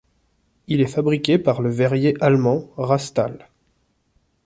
Il est fabriqué par le verrier allemand Rastal.